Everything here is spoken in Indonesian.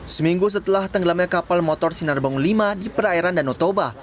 seminggu setelah tenggelamnya kapal motor sinar bangun v di perairan danau toba